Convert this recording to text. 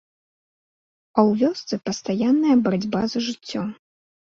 А ў вёсцы пастаянная барацьба за жыццё.